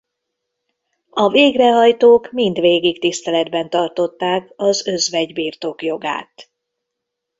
A végrehajtók mindvégig tiszteletben tartották az özvegy birtokjogát.